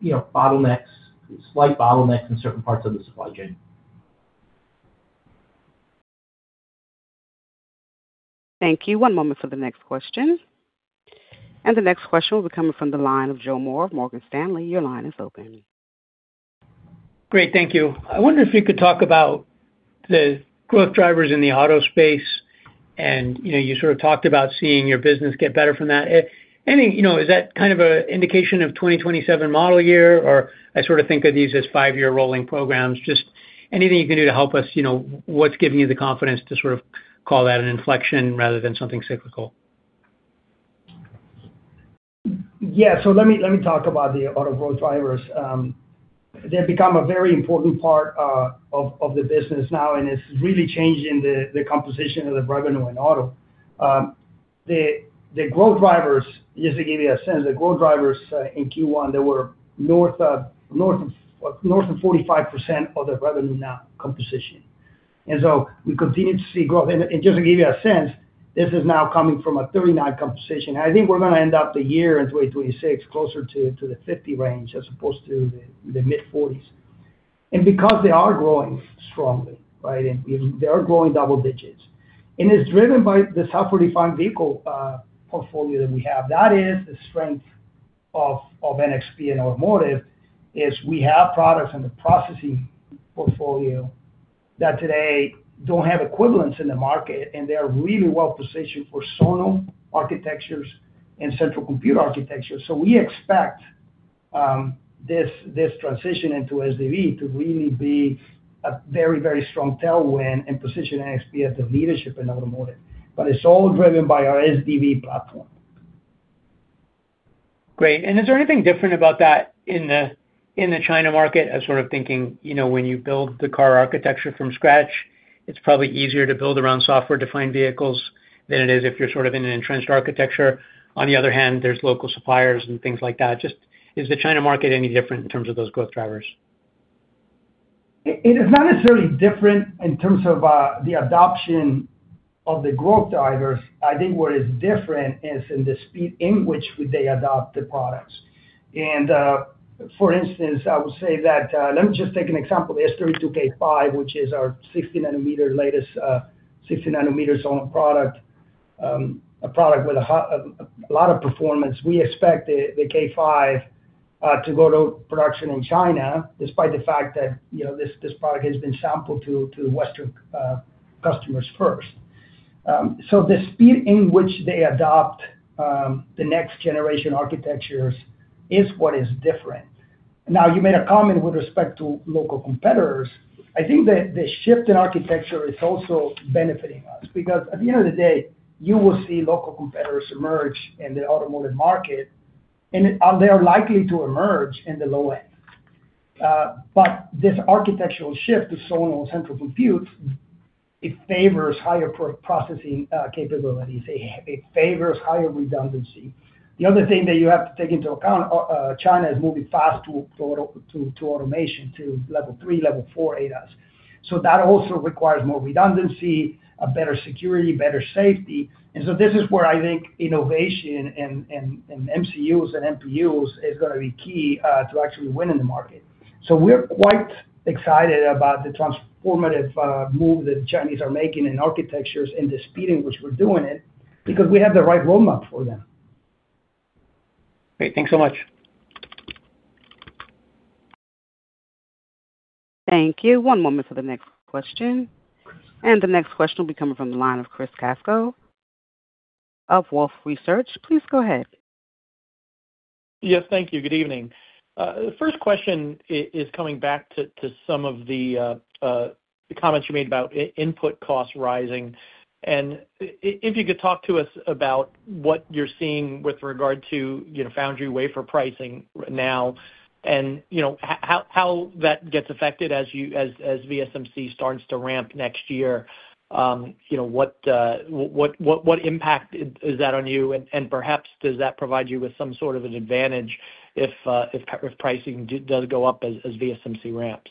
you know, slight bottlenecks in certain parts of the supply chain. Thank you. One moment for the next question. The next question will be coming from the line of Joseph Moore of Morgan Stanley. Your line is open. Great. Thank you. I wonder if you could talk about the growth drivers in the auto space. You know, you sort of talked about seeing your business get better from that. Any, you know, is that kind of a indication of 2027 model year? I sort of think of these as five-year rolling programs. Just anything you can do to help us, you know, what's giving you the confidence to sort of call that an inflection rather than something cyclical? Let me talk about the auto growth drivers. They've become a very important part of the business now, and it's really changing the composition of the revenue in auto. The growth drivers, just to give you a sense, the growth drivers in Q1, they were north of 45% of the revenue now composition. We continue to see growth. Just to give you a sense, this is now coming from a 39 composition. I think we're going to end up the year in 2026 closer to the 50 range as opposed to the mid-40s. Because they are growing strongly, right? They are growing double digits. It's driven by the software-defined vehicle portfolio that we have. That is the strength of NXP and automotive is we have products in the processing portfolio that today don't have equivalents in the market, and they are really well-positioned for SoM architectures and central compute architecture. We expect this transition into SDV to really be a very, very strong tailwind and position NXP as the leadership in automotive. It's all driven by our SDV platform. Great. Is there anything different about that in the China market? I was sort of thinking, you know, when you build the car architecture from scratch, it's probably easier to build around software-defined vehicles than it is if you're sort of in an entrenched architecture. On the other hand, there's local suppliers and things like that. Just is the China market any different in terms of those growth drivers? It is not necessarily different in terms of the adoption of the growth drivers. I think what is different is in the speed in which they adopt the products. For instance, I would say that, let me just take an example. The S32K5, which is our 60 nanometer latest, 60 nanometer SoM product, a product with a lot of performance. We expect the K5 to go to production in China despite the fact that, you know, this product has been sampled to Western customers first. The speed in which they adopt the next generation architectures is what is different. Now, you made a comment with respect to local competitors. I think the shift in architecture is also benefiting us because at the end of the day, you will see local competitors emerge in the automotive market, and they are likely to emerge in the low end. This architectural shift to SoM central compute, it favors higher processing capabilities. It favors higher redundancy. The other thing that you have to take into account, China is moving fast to automation, to level three, level four ADAS. That also requires more redundancy, a better security, better safety. This is where I think innovation and MCUs and MPUs is going to be key to actually win in the market. We're quite excited about the transformative move that Chinese are making in architectures and the speed in which we're doing it because we have the right roadmap for them. Great. Thanks so much. Thank you. One moment for the next question. The next question will be coming from the line of Chris Caso of Wolfe Research. Please go ahead. Yes, thank you. Good evening. The first question is coming back to some of the comments you made about input costs rising. If you could talk to us about what you're seeing with regard to, you know, foundry wafer pricing now and, you know, how that gets affected as VSMC starts to ramp next year. You know, what impact is that on you? Perhaps does that provide you with some sort of an advantage if pricing does go up as VSMC ramps?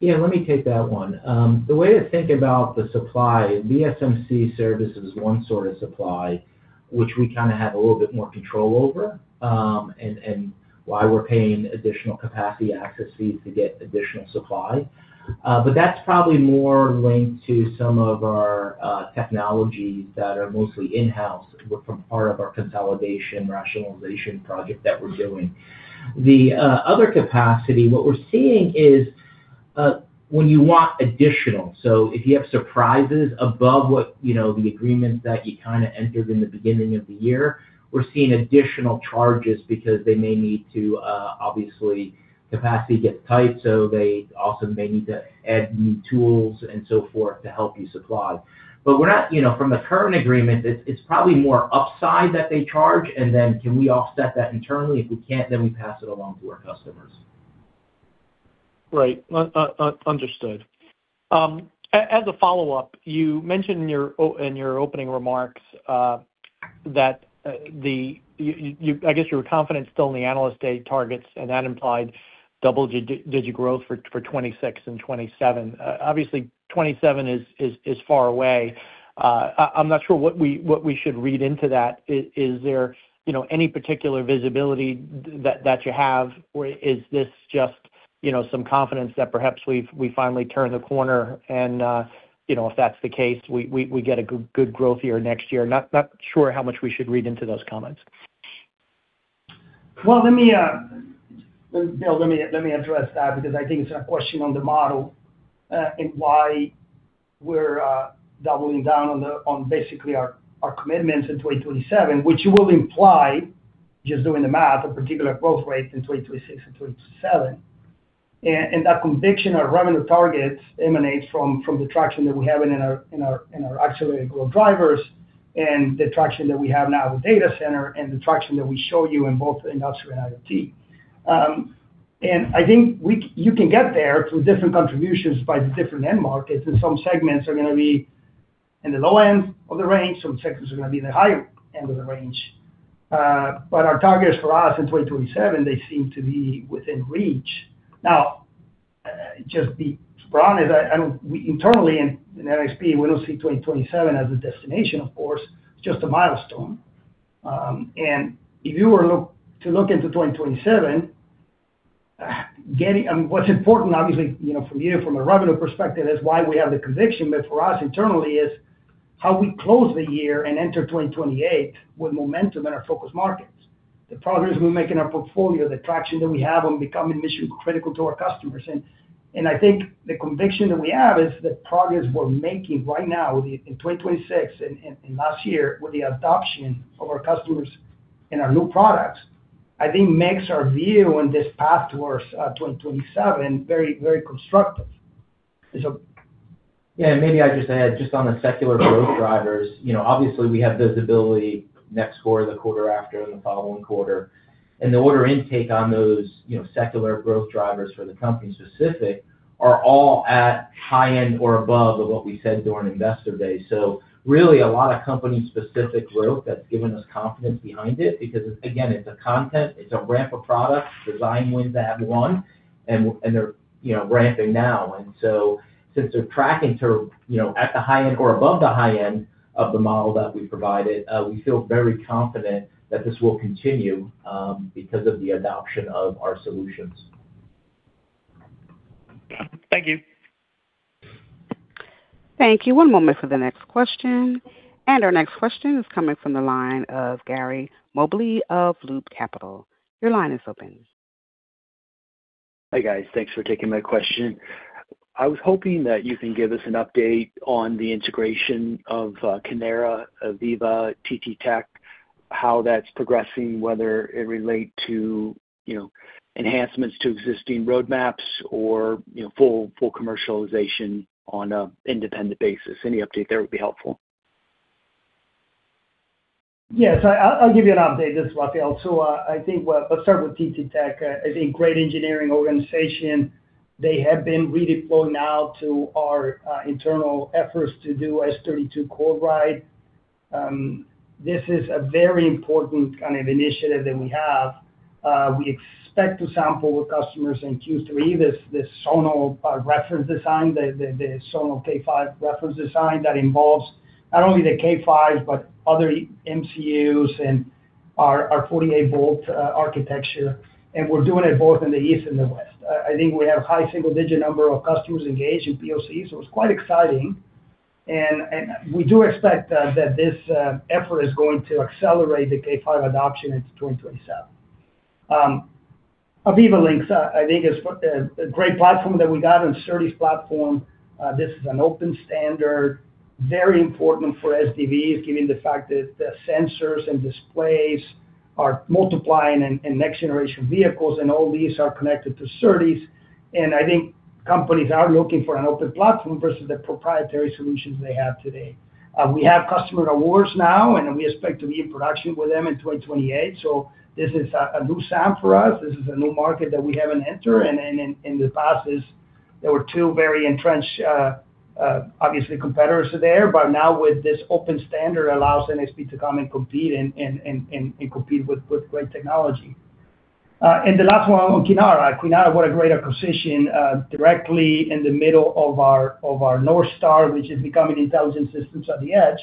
Yeah, let me take that one. The way to think about the supply, VSMC services is one sort of supply, which we kind of have a little bit more control over, and why we're paying additional capacity access fees to get additional supply. That's probably more linked to some of our technologies that are mostly in-house from part of our consolidation rationalization project that we're doing. The other capacity, what we're seeing is, when you want additional, if you have surprises above what, you know, the agreements that you kind of entered in the beginning of the year, we're seeing additional charges because they may need to obviously capacity gets tight, they also may need to add new tools and so forth to help you supply. We are not, you know, from the current agreement, it is probably more upside that they charge and then can we offset that internally. If we cannot, we pass it along to our customers. Right. Understood. As a follow-up, you mentioned in your opening remarks, that, I guess you were confident still in the Analyst Day targets, and that implied double digit growth for 2026 and 2027. Obviously, 2027 is far away. I'm not sure what we should read into that. Is there, you know, any particular visibility that you have, or is this just, you know, some confidence that perhaps we finally turn the corner and, you know, if that's the case, we get a good growth year next year? Not sure how much we should read into those comments. Well, let me address that because I think it's a question on the model, and why we're doubling down on basically our commitments in 2027, which will imply, just doing the math, a particular growth rate in 2026 and 2027. That conviction of revenue targets emanates from the traction that we have in our accelerated growth drivers and the traction that we have now with data center and the traction that we show you in both industrial and IoT. I think you can get there through different contributions by the different end markets, and some segments are going to be in the low end of the range, some segments are going to be in the high end of the range. Our targets for us in 2027, they seem to be within reach. Now, just to be honest, internally in NXP, we don't see 2027 as a destination, of course, it's just a milestone. If you were to look into 2027, what's important, obviously, you know, from year from a revenue perspective is why we have the conviction, but for us internally is how we close the year and enter 2028 with momentum in our focus markets. The progress we make in our portfolio, the traction that we have on becoming mission critical to our customers. I think the conviction that we have is the progress we're making right now in 2026 and last year with the adoption of our customers in our new products, I think makes our view on this path towards 2027 very constructive. Yeah. Maybe I just add just on the secular growth drivers. You know, obviously, we have visibility next quarter, the quarter after, and the following quarter. The order intake on those, you know, secular growth drivers for the company specific are all at high end or above of what we said during Investor Day. Really a lot of company specific growth that's given us confidence behind it because again, it's a content, it's a ramp of product, design wins that have won and they're, you know, ramping now. Since they're tracking to, you know, at the high end or above the high end of the model that we provided, we feel very confident that this will continue because of the adoption of our solutions. Thank you. Thank you. One moment for the next question. Our next question is coming from the line of Gary Mobley of Loop Capital. Your line is open. Hi, guys. Thanks for taking my question. I was hoping that you can give us an update on the integration of Kinara, Aviva, TTTech, how that's progressing, whether it relate to, you know, enhancements to existing roadmaps or, you know, full commercialization on a independent basis? Any update there would be helpful. Yes, I'll give you an update. This is Rafael. I think let's start with TTTech. I think great engineering organization. They have been redeployed now to our internal efforts to do S32 CoreRide. This is a very important kind of initiative that we have. We expect to sample with customers in Q3, this Sono reference design, the Sono K5 reference design that involves not only the K5, but other MCUs and our 48 volt architecture. We're doing it both in the east and the west. I think we have high single-digit number of customers engaged in POC, so it's quite exciting. We do expect that this effort is going to accelerate the K5 adoption into 2027. Aviva Links I think is a great platform that we got on SerDes platform. This is an open standard, very important for SDVs, given the fact that the sensors and displays are multiplying in next generation vehicles, and all these are connected to SerDes. I think companies are looking for an open platform versus the proprietary solutions they have today. We have customer awards now, and we expect to be in production with them in 2028. This is a new SAM for us. This is a new market that we haven't entered. In the past is there were two very entrenched, obviously competitors there. Now with this open standard allows NXP to come and compete and copete with great technology. The last one on Kinara. Kinara, what a great acquisition, directly in the middle of our North Star, which is becoming intelligent systems at the edge.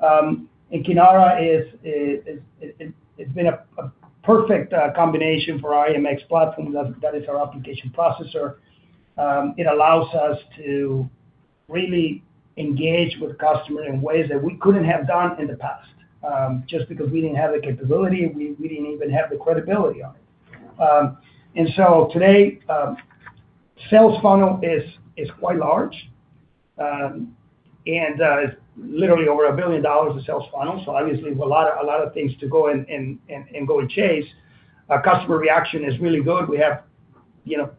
Kinara, it's been a perfect combination for our i.MX platform. That is our application processor. It allows us to really engage with customer in ways that we couldn't have done in the past, just because we didn't have the capability, we didn't even have the credibility on it. Today, sales funnel is quite large, literally over $1 billion of sales funnel. Obviously there's a lot of things to go and chase. Our customer reaction is really good. We have, you know,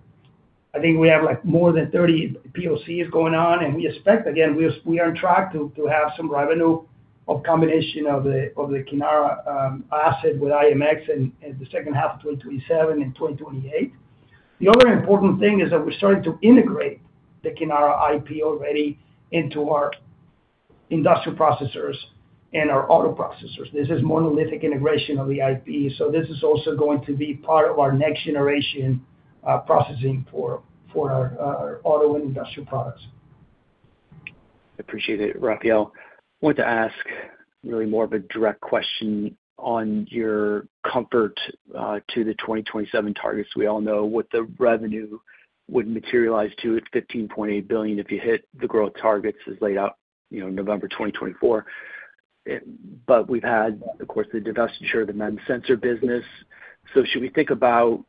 I think we have, like, more than 30 POCs going on, we expect again, we are on track to have some revenue of combination of the Kinara asset with i.MX in the second half of 2027 and 2028. The other important thing is that we're starting to integrate the Kinara IP already into our industrial processors and our auto processors. This is monolithic integration of the IP. This is also going to be part of our next generation processing for our auto and industrial products. Appreciate it, Rafael. I want to ask really more of a direct question on your comfort to the 2027 targets. We all know what the revenue would materialize to at 15.8 billion if you hit the growth targets as laid out, you know, November 2024. But we've had, of course, the divestiture of the MEMS sensor business. Should we think about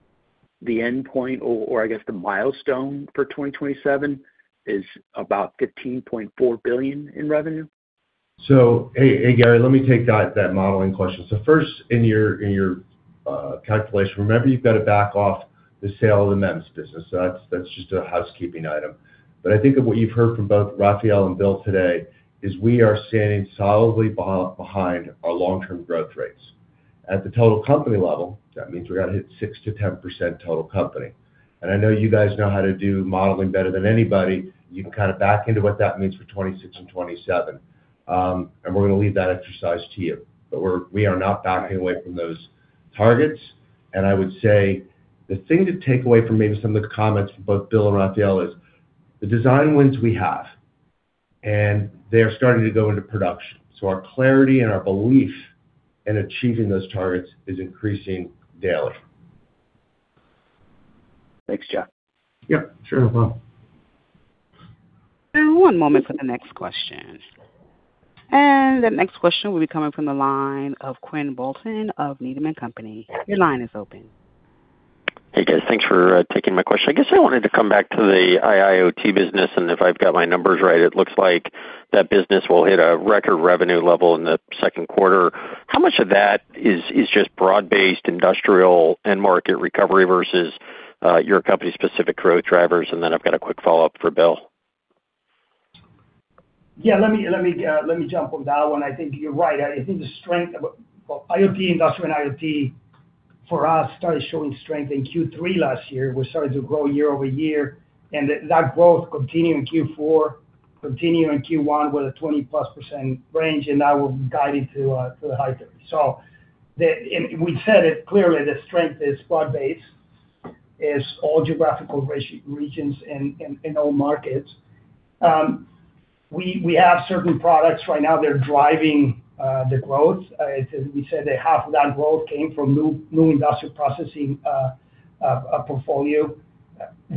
the endpoint or I guess the milestone for 2027 is about 15.4 billion in revenue? Hey Gary, let me take that modeling question. First in your calculation, remember you've got to back off the sale of the MEMS business. That's just a housekeeping item. I think of what you've heard from both Rafael and Bill today is we are standing solidly behind our long-term growth rates. At the total company level, that means we're going to hit 6%-10% total company. I know you guys know how to do modeling better than anybody. You can kind of back into what that means for 2026 and 2027. We're going to leave that exercise to you. We are not backing away from those targets. I would say the thing to take away from maybe some of the comments from both Bill and Rafael is the design wins we have. They're starting to go into production. Our clarity and our belief in achieving those targets is increasing daily. Thanks, Jeff. Yep, sure. No problem. One moment for the next question. The next question will be coming from the line of Quinn Bolton of Needham & Company Your line is open. Hey, guys. Thanks for taking my question. I guess I wanted to come back to the IIoT business, and if I've got my numbers right, it looks like that business will hit a record revenue level in the second quarter. How much of that is just broad-based industrial end market recovery versus your company's specific growth drivers? Then I've got a quick follow-up for Bill. Let me jump on that one. I think you're right. I think the strength of well, IoT, industrial IoT, for us, started showing strength in Q3 last year. We started to grow year-over-year, and that growth continued in Q4, continued in Q1 with a 20-plus % range, and that will guide into to the high 30s. We said it clearly, the strength is broad-based. It's all geographical regions and all markets. We have certain products right now that are driving the growth. As we said, half of that growth came from new industrial processing portfolio.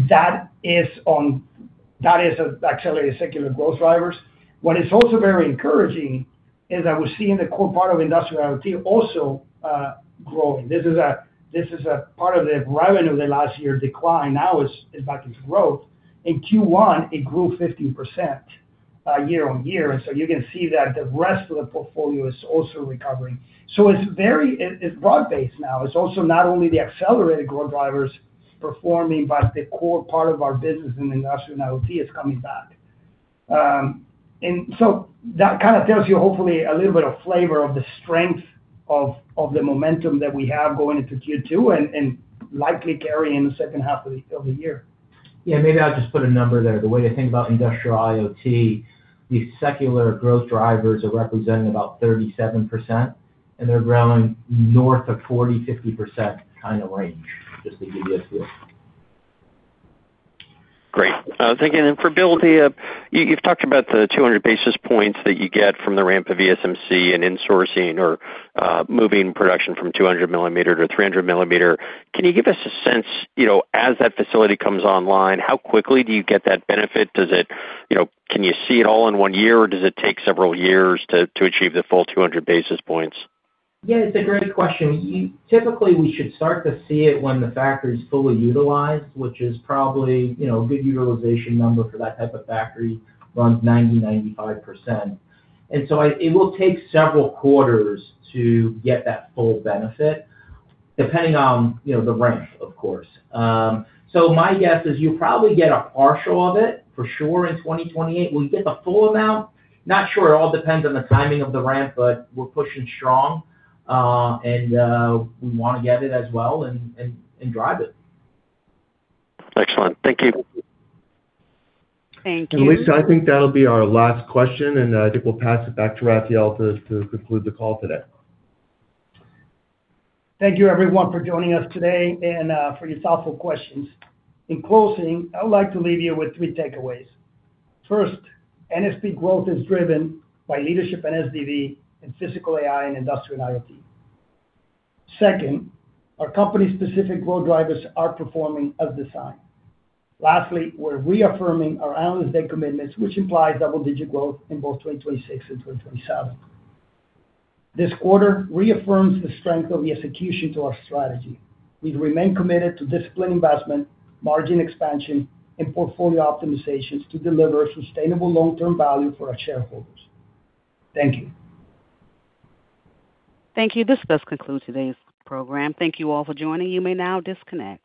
That is accelerated secular growth drivers. What is also very encouraging is that we're seeing the core part of industrial IoT also growing. This is a part of the revenue of the last year decline now is back into growth. In Q1, it grew 15% year-over-year, you can see that the rest of the portfolio is also recovering. It's broad-based now. It's also not only the accelerated growth drivers performing, but the core part of our business in Industrial IoT is coming back. That kind of tells you hopefully a little bit of flavor of the strength of the momentum that we have going into Q2 and likely carry in the second half of the year. Yeah, maybe I'll just put a number there. The way to think about industrial IoT, the secular growth drivers are representing about 37%, and they're growing north of 40%-50% kind of range, just to give you a feel. Great. Thank you. For Bill, you've talked about the 200 basis points that you get from the ramp of ESMC and insourcing or moving production from 200 millimeter to 300 millimeter. Can you give us a sense, you know, as that facility comes online, how quickly do you get that benefit? Does it, you know, can you see it all in one year, or does it take several years to achieve the full 200 basis points? Yeah, it's a great question. Typically, we should start to see it when the factory is fully utilized, which is probably a good utilization number for that type of factory runs 90%, 95%. It will take several quarters to get that full benefit, depending on the ramp, of course. My guess is you'll probably get a partial of it for sure in 2028. Will you get the full amount? Not sure. It all depends on the timing of the ramp, but we're pushing strong, and we want to get it as well and drive it. Excellent. Thank you. Thank you. Alicia, I think that'll be our last question, and I think we'll pass it back to Rafael to conclude the call today. Thank you, everyone, for joining us today and for your thoughtful questions. In closing, I would like to leave you with three takeaways. First, NXP growth is driven by leadership in SDV and physical AI and industrial IoT. Second, our company's specific growth drivers are performing as designed. Lastly, we're reaffirming our Analyst Day commitments, which implies double-digit growth in both 2026 and 2027. This quarter reaffirms the strength of the execution to our strategy. We remain committed to disciplined investment, margin expansion, and portfolio optimizations to deliver sustainable long-term value for our shareholders. Thank you. Thank you. This does conclude today's program. Thank you all for joining. You may now disconnect.